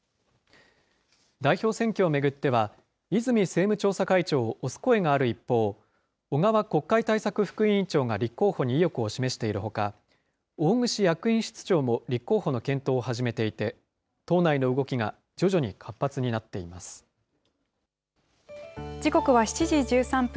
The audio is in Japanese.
代表選挙を巡っては、泉政務調査会長を推す声がある一方、小川国会対策副委員長が立候補に意欲を示しているほか、大串役員室長も立候補の検討を始めていて、党内の動きが徐々に活発になって時刻は７時１３分。